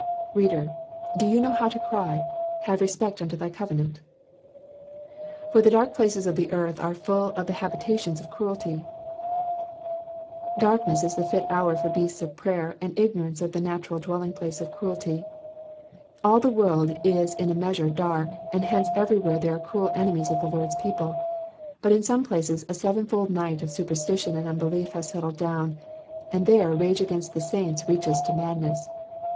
Header, do you know how to cry, Have respect unto thy covenant*'? ''''For the dark places of the earth arefuU of the habitations of cruelty.'''' Darkness U t%o fit hour Digitized by VjOOQIC 374 EXPOSITIONS OF THE PSALMS. for beasU of prey, and ignorance the natural dwelling place of cruelty. All the world is in a measure dark, and hence everywhere there are cruel enemies of the Lord^s people ; but in some places ^ sevenfold night of superstition and un belief has settled down, and there rage against the saints reaches to madness.